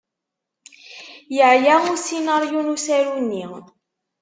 Yeɛya usinaryu n usaru-nni.